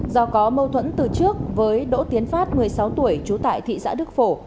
do có mâu thuẫn từ trước với đỗ tiến phát một mươi sáu tuổi trú tại thị xã đức phổ